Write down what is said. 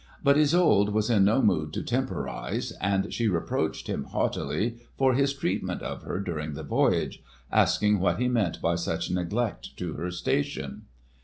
But Isolde was in no mood to temporise, and she reproached him haughtily for his treatment of her during the voyage, asking what he meant by such neglect to her station.